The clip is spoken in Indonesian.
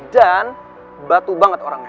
dan batu banget orangnya